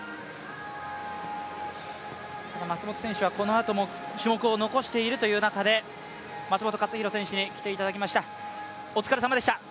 松元選手はこのあとも種目を残しているという中で松元克央選手に来ていただきました。